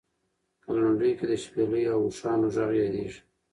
په لنډیو کې د شپېلۍ او اوښانو غږ یادېږي.